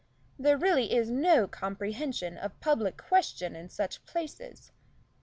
There really is no comprehension of public questions in such places.